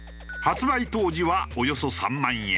発売当時はおよそ３万円。